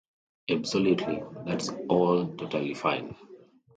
Absolutely. That's all totally fine.